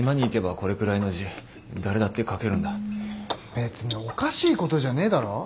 別におかしいことじゃねえだろ。